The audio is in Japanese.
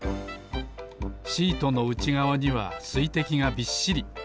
シートのうちがわにはすいてきがびっしり。